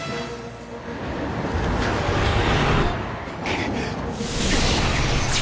くっ！